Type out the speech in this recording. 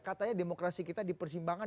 katanya demokrasi kita dipersembangkan